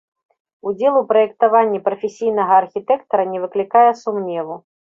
Удзел у праектаванні прафесійнага архітэктара не выклікае сумневу.